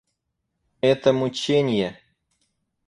Это мученье!